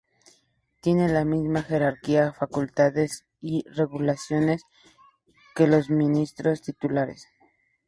Tienen la misma jerarquía, facultades y regulaciones que los ministros titulares.